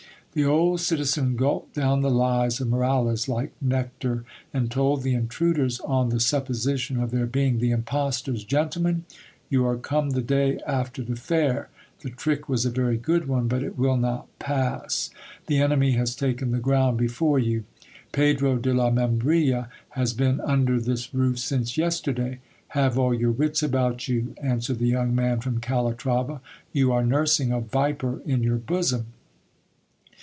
The old citizen gulped down the lies of Moralez like nectar, and told the intruders, on the supposition of their being the impostors — Gentlemen, you are come the day after the fair ; the trick was a very good one, but it will not pass ; the enemy has taken the ground before you. Pedro de la Membrilla has been un der this roof since yesterday. Have all your wits about you, answered the young man from Calatrava ; you are nursing a viper in your bosom.